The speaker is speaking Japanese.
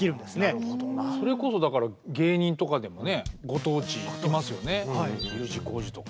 それこそだから芸人とかでもねご当地いますよね。